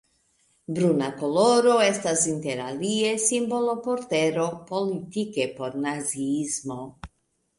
Bruna koloro estas interalie simbolo por tero; politike por naziismo.